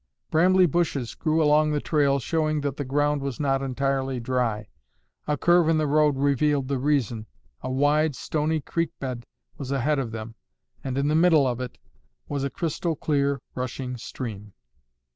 Brambly bushes grew along the trail showing that the ground was not entirely dry. A curve in the road revealed the reason. A wide, stony creek bed was ahead of them, and, in the middle of it, was a crystal clear, rushing stream.